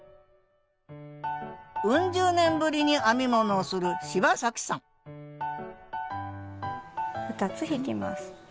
ウン十年ぶりに編み物をする芝さん２つ引きます。